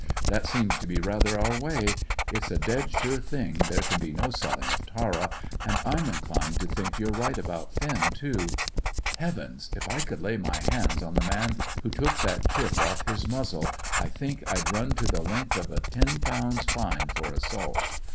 That seems to be rather our way. It's a dead sure thing there can be no selling of Tara, and I'm inclined to think you're right about Finn, too. Heavens! If I could lay my hands on the man who took that chip off his muzzle, I think I'd run to the length of a ten pounds fine for assault.